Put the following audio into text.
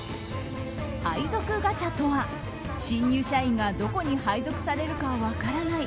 配属ガチャとは、新入社員がどこに配属されるか分からない。